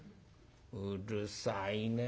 「うるさいね